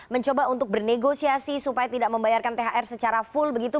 mencoba untuk bernegosiasi supaya tidak membayarkan thr secara full begitu